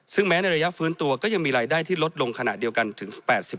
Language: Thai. ซึ่งแม้ในระยะฟื้นตัวก็ยังมีรายได้ที่ลดลงขณะเดียวกันถึง๘๐